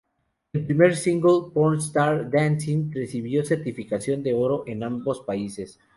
El primer single, Porn Star Dancing, recibió certificación de oro en ambos países.